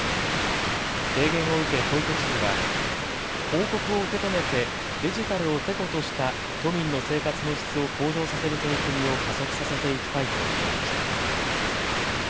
提言を受け小池知事は報告を受けとめてデジタルをてことした都民の生活の質を向上させる取り組みを加速させていきたいと述べました。